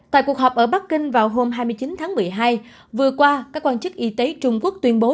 tại cuộc họp ở bắc kinh vào hôm hai mươi chín tháng một mươi hai vừa qua các quan chức y tế trung quốc tuyên bố